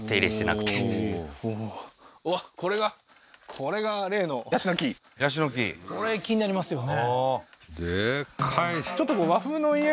これがヤシの木これ気になりますよね